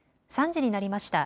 ３時になりました。